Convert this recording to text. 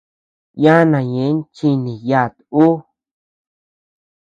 Yánaa ñeʼën chiniiyat uu.